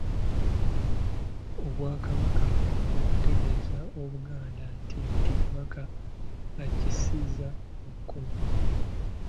Obwakabaka okutegeeza Obuganda nti nti Kabaka akisizza omukono.